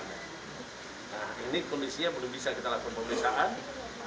nah ini kondisinya belum bisa kita lakukan pemeriksaan